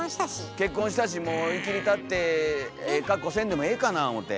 結婚したしもういきりたってええかっこせんでもええかな思て。